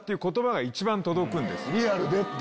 リアルでっていう。